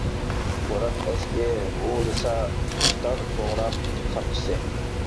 بوران ئەسكى ھۇۋلىسا، تۇتار توغراق ساقچىسى.